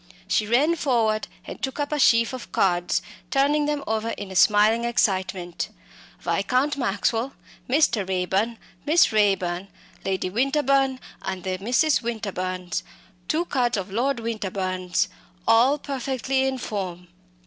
She ran forward and took up a sheaf of cards, turning them over in a smiling excitement. "Viscount Maxwell," "Mr. Raeburn," "Miss Raeburn," "Lady Winterbourne and the Misses Winterbourne," two cards of Lord Winterbourne's all perfectly in form.